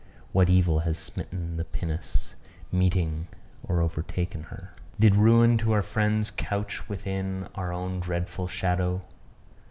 What evil has smitten the pinnace, meeting or overtaken her? Did ruin to our friends couch within our own dreadful shadow?